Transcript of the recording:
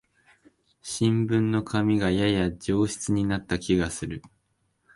新聞の紙がやや上質になった気がする